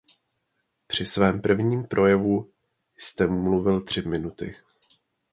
Při svém prvním projevu jste mluvil tři minuty.